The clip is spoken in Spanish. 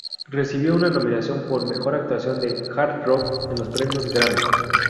Recibió una nominación por Mejor Actuación de Hard Rock en los Premios Grammy.